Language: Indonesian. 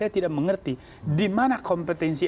tidak mengerti dimana kompetensi